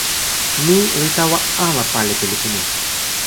ni li tawa ala pali pi lipu ni.